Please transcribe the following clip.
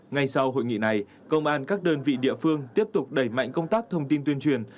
ngay sau hội nghị này công an các đơn vị địa phương tiếp tục đẩy mạnh công tác thông tin tuyên truyền